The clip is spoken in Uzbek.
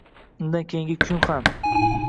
Undan keyingi kun ham